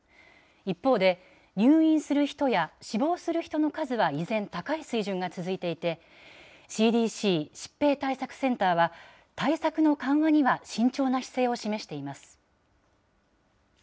一方で、入院する人や、死亡する人の数は依然高い水準が続いていて、ＣＤＣ・疾病対策センターは、対策の緩和には慎重な姿勢を示しています。